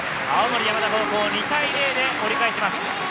青森山田高校、２対０で折り返します。